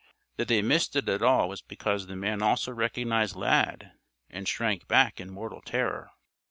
That they missed it at all was because the man also recognized Lad, and shrank back in mortal terror.